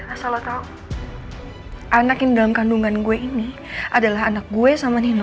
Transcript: asal lo tau anak yang dalam kandungan gue ini adalah anak gue sama nino